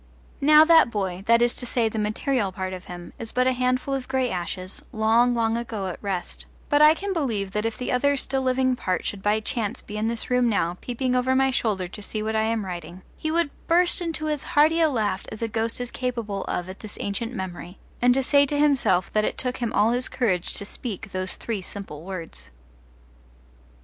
Now that boy that is to say, the material part of him is but a handful of grey ashes, long, long ago at rest; but I can believe that if the other still living part should by chance be in this room now, peeping over my shoulder to see what I am writing, he would burst into as hearty a laugh as a ghost is capable of at this ancient memory, and say to himself that it took him all his courage to speak those three simple words.